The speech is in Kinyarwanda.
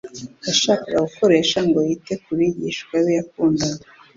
yashakaga gukoresha ngo yite ku bigishwa be yakundaga.